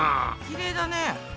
きれいだね。